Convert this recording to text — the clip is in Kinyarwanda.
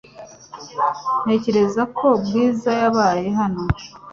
Ntekereza ko Bwiza yabaye hano .